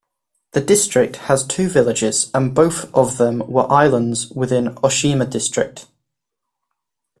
The district has two villages and both of them were islands within Oshima District.